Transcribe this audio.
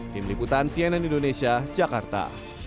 tim liputan cnn indonesia jakarta